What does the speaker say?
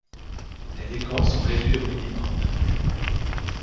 Les décors sont réduits au minimum.